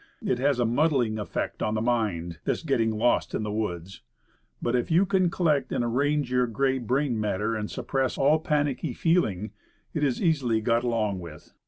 It has a mud dling effect on the mind this getting lost in the woods. But, if you can collect and arrange your gray brain matter, and suppress all panicky feeling, it is easily got along with.